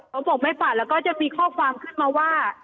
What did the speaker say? เขาบอกไม่ฝันแล้วก็จะมีข้อความขึ้นมาว่า